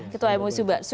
ketua mui sudah